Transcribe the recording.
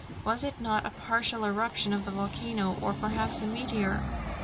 Was it not a partial eruption of the volcano, or perhaps some meteor?"